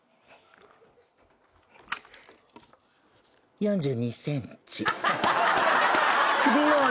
４２ｃｍ。